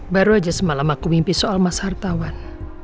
baru aja semalam aku mimpi soal mas hartawan